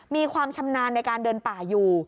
มีความชำนาญในการเดินป่าอยู่